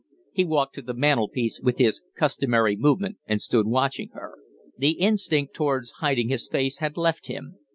He walked to the mantel piece with his customary movement and stood watching her. The instinct towards hiding his face had left him.